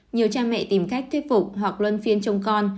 nhiều cha mẹ tìm cách thuyết phục hoặc luân phiên trong con